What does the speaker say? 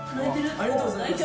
ありがとうございます。